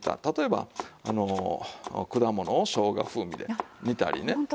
例えばあの果物をしょうが風味で煮たりね。